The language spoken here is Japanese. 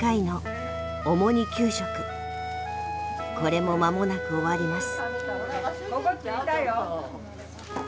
これもまもなく終わります。